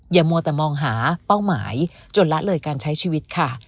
มัวแต่มองหาเป้าหมายจนละเลยการใช้ชีวิตค่ะ